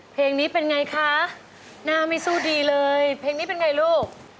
เพลงนี้เป็นไงคะหน้าไม่สู้ดีเลยเพลงนี้เป็นไงลูก